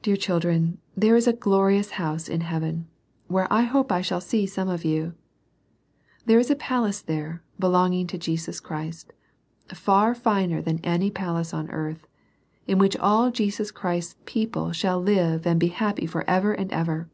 Dear children, there is a glorious house in heaven, where I hope I shall see some of you. There is a palace there, belonging to Jesus Christ, far finer than any palace on earth, in which all Jesus Christ's people shall live and be happy for ever and ever.